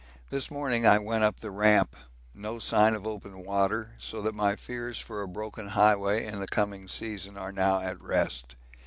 This morning I went up the Ramp. No sign of open water, so that my fears for a broken highway in the coming season are now at rest.